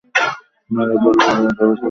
মেরে পরে তার দেহ নিক্ষেপ করা হয়েছে।